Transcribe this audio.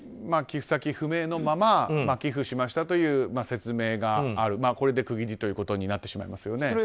寄付先不明のまま寄付しましたという説明があるこれで区切りということになってしまいますよね。